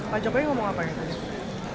pak jokowi ngomong apa aja tadi